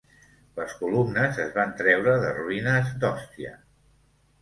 Les columnes es van treure de ruïnes d'Òstia.